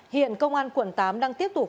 hiện công an quận tám đang tiếp tục